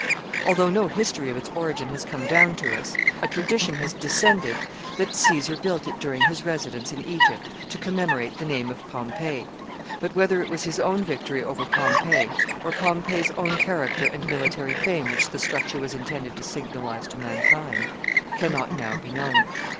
Although no history of its origin has come down to us, a tradition has descended that Caesar built it during his residence in Egypt, to commemorate the name of Pompey; but whether it was his own victory over Pompey, or Pompey's own character and military fame which the structure was intended to signalize to mankind, can not now be known.